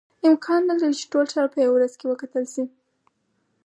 امکان نه لري چې ټول ښار په یوه ورځ کې وکتل شي.